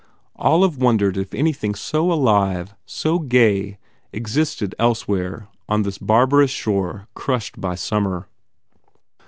Olive wondered if any thing so alive, so gay existed elsewhere on this barbarous shore crushed by summer.